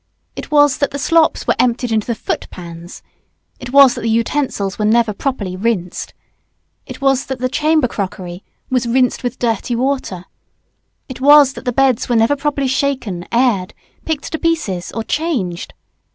It was that the slops were emptied into the foot pans! it was that the utensils were never properly rinsed; it was that the chamber crockery was rinsed with dirty water; it was that the beds were never properly shaken, aired, picked to pieces, or changed.